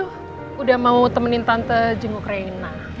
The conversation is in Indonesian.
thank you udah mau temenin tante jenguk reina